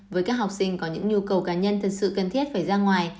với các học sinh có những nhu cầu cá nhân thật sự cần thiết phải ra ngoài